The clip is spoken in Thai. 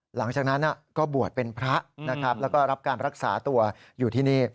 หลังจากนั้นก็บวชเป็นพระนะครับแล้วก็รับการรักษาตัวอยู่ที่นี่